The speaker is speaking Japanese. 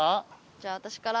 じゃあ私から。